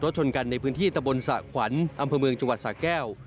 ชนกันในพื้นที่ตะบนสะขวัญอำเภอเมืองจังหวัดสะแก้ว